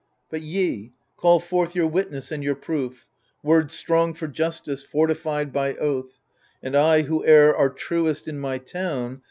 But ye, call forth your witness and your proof. Words strong for justice, fortified by oath ; And I, whoe'er are truest in my town.